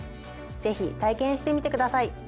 ぜひ体験してみてください。